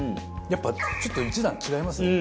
やっぱちょっと一段違いますね。